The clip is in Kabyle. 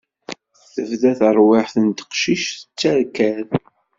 Tebda terwiḥt n teqcict tettarkad.